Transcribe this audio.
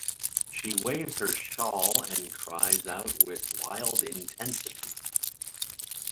She waves her shawl and cries out with wild intensity.